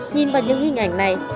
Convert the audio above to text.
nhìn vào những hình ảnh này